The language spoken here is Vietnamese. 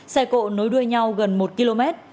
xe cộ nối đuôi nhau gần một km